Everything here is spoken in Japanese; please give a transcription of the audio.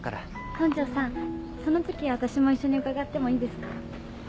村長さんそのときわたしも一緒に伺ってもいいですか？